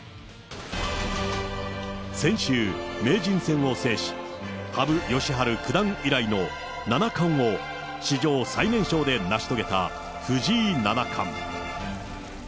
先週、名人戦を制し、羽生善治九段以来の七冠を史上最年少で成し遂げた藤井七冠。